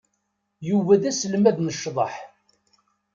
Yuba d aselmad n ccḍeḥ.